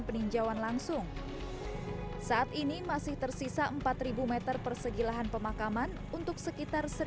peninjauan langsung saat ini masih tersisa empat ribu meter persegi lahan pemakaman untuk sekitar